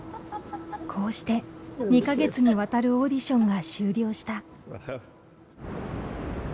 こうして２か月にわたるオーディションが終了した。